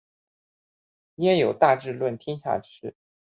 焉有大智论天下事！